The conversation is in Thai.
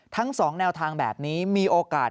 ทั้ง๒แนวทางแบบนี้มีโอกาส